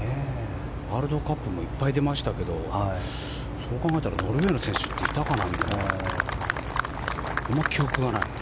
ワールドカップもいっぱい出ましたけどそう考えたらノルウェーの選手っていたかなってあまり記憶がない。